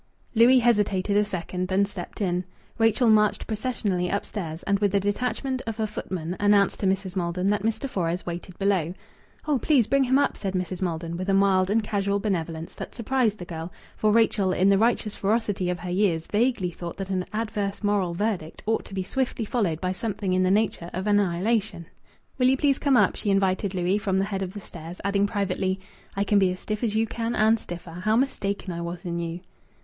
Louis hesitated a second, then stepped in. Rachel marched processionally upstairs, and with the detachment of a footman announced to Mrs. Maldon that Mr. Fores waited below. "Oh, please bring him up," said Mrs. Maldon, with a mild and casual benevolence that surprised the girl; for Rachel, in the righteous ferocity of her years, vaguely thought that an adverse moral verdict ought to be swiftly followed by something in the nature of annihilation. "Will you please come up," she invited Louis, from the head of the stairs, adding privately "I can be as stiff as you can and stiffer. How mistaken I was in you!"